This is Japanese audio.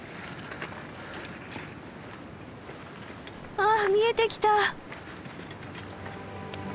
あ見えてきた。